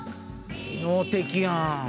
機能的やん。